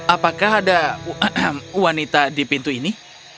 apakah ada wanita di pintu ini